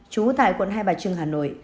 chú tại quận hai bà trường hà nội